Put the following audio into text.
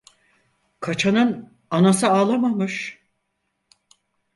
Kaçanın anası ağlamamış.